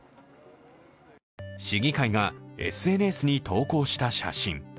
市議会がＳＮＳに投稿した写真。